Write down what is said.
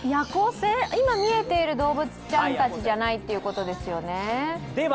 今見えている動物ちゃんたちではないということですよね。